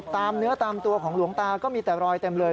ตามเนื้อตามตัวของหลวงตาก็มีแต่รอยเต็มเลย